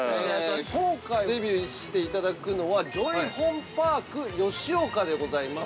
◆今回デビューしていただくのはジョイホンパーク吉岡でございます。